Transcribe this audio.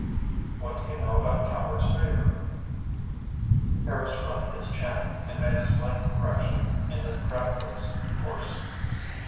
"What do you know about Calvert's Favor?" Harris rubbed his chin, and made a slight correction in the crab boat's course.